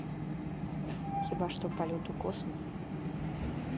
Хіба што палёт у космас.